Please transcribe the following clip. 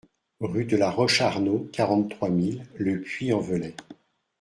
Rue de la Roche Arnaud, quarante-trois mille Le Puy-en-Velay